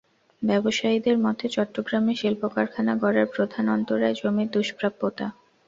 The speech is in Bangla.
ব্যবসায়ীদের মতে, চট্টগ্রামে শিল্পকারখানা গড়ার প্রধান অন্তরায় জমির দুষ্প্রাপ্যতা।